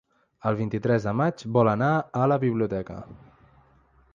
El vint-i-tres de maig vol anar a la biblioteca.